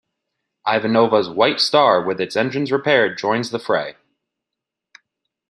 Ivanova's "White Star", with its engines repaired, joins the fray.